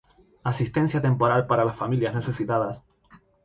Asistencia Temporal para Familias Necesitadas